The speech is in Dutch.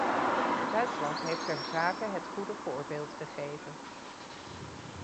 Duitsland heeft terzake het goede voorbeeld gegeven.